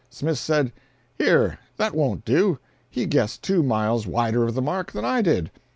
Smith said: "Here, that won't do! He guessed two miles wider of the mark than I did."